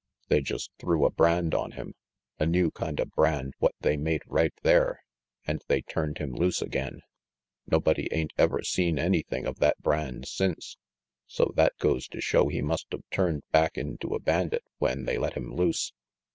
They just threw a brand on him, a new kind of brand what they made right there, and they turned him loose again. Nobody ain't ever seen anything of that brand since, so that goes to show he must of turned back into a bandit when they let him loose.